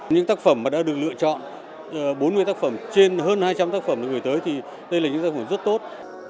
những tác phẩm mà đã được lựa chọn bốn mươi tác phẩm trên hơn hai trăm linh tác phẩm được gửi tới thì đây là những tác phẩm rất tốt